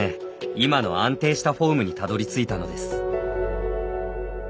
今の安定したフォームにたどりついたのです。